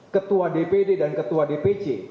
ketua dpd dan ketua dpc